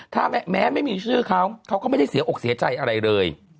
ถ้าแม้ไม่มีชื่อเขาเขาก็ไม่ได้เสียอกเสียใจอะไรเลย